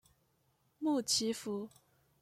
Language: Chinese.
穆奇福。